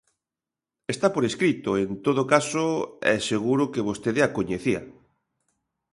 Está por escrito, en todo caso, e seguro que vostede a coñecía.